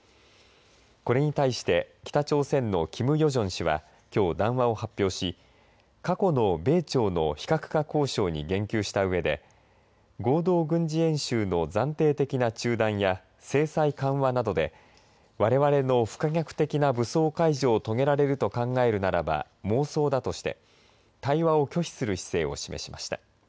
これに対して北朝鮮のキム・ヨジョン氏はきょう談話を発表し過去の米朝の非核化交渉に言及したうえで合同軍事演習の暫定的な中断や制裁緩和などでわれわれの不可逆的な武装解除を遂げられると考えるならば妄想だとして対話を拒否する姿勢を示しました。